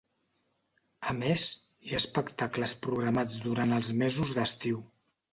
A més, hi ha espectacles programats durant els mesos d'estiu.